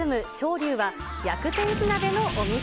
龍は薬膳火鍋のお店。